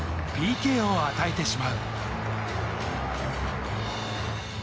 ＰＫを与えてしまう。